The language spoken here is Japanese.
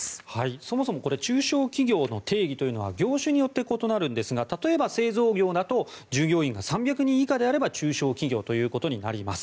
そもそも中小企業の定義というのは業種によって異なるんですが例えば製造業だと従業員が３００人以下であれば中小企業ということになります。